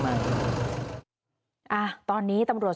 อ่ะตอนนี้ตำรวจ